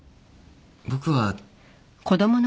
僕は。